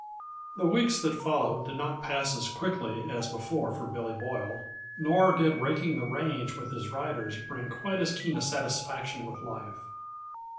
_ The weeks that followed did not pass as quickly as before for Billy Boyle, nor did raking the range with his riders bring quite as keen a satisfaction with life.